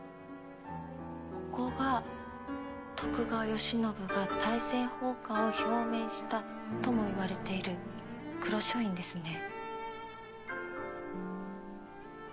ここが徳川慶喜が大政奉還を表明したともいわれている黒書院ですね。